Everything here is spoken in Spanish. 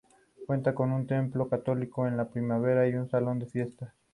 Cuenta con un templo católico, escuela primaria y un salón de fiestas.